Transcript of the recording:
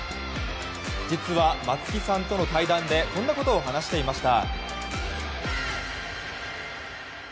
実は松木さんとの対談でこんなことを話していました。